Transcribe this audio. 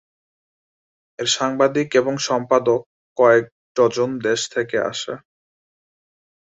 এর সাংবাদিক এবং সম্পাদক কয়েক ডজন দেশ থেকে আসে।